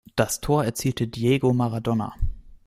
Das Tor erzielte Diego Maradona.